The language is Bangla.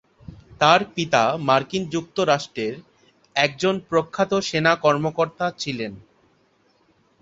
তার পিতা মার্কিন যুক্তরাষ্ট্রের একজন প্রখ্যাত সেনা কর্মকর্তা ছিলেন।